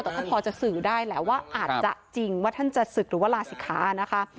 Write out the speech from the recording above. แต่ท่านพอจะสื่อได้แหละว่าอาจจะจริงว่าท่านจะศึกหรือว่าลาศิกขานะคะ